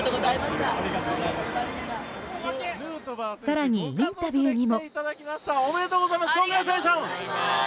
更に、インタビューにも。